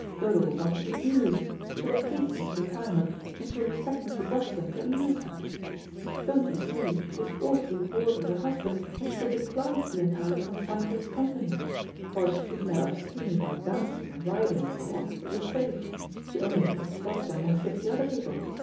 Dodo will want to be amused; she will hate this retirement, and she will expect Mr. Broxton to amuse her. Don't you see she is awfully bored with her husband, and she will decline to be entirely confined to his company. While she could let off steam by dancing and riding and so on, it was safe; she only met Mr. Broxton among fifty other people.